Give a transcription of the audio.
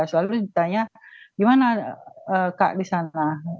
selalu ditanya gimana kak di sana